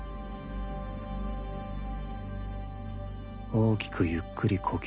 大きくゆっくり呼吸する。